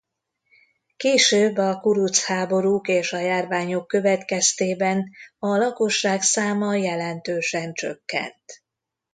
Később a kuruc háborúk és a járványok következtében a lakosság száma jelentősen csökkent.